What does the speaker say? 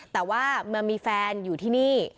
แต่ว่ามีแฟนอยู่ที่นี่